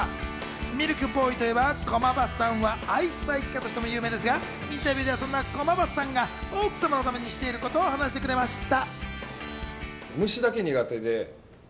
ミルクボーイといえば駒場さんは愛妻家としても有名ですが、インタビューではそんな駒場さんが奥様のためにしていることを話してくれました。